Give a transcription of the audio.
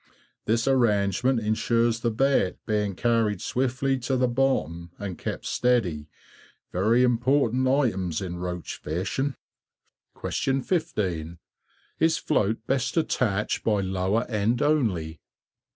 This arrangement ensures the bait being carried swiftly to the bottom and kept steady, very important items in roach fishing. 15. Is float best attached by lower end only?